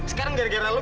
sekarang gara gara lu